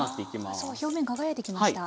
あすごい表面輝いてきました。